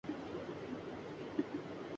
یہ وحی کا تقاضا ہے۔